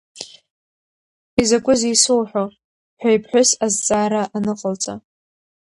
Изакәызеи исоуҳәо, ҳәа иԥҳәыс азҵаара аныҟалҵа…